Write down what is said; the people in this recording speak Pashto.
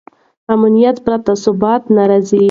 امنیت پرته ثبات نه راځي.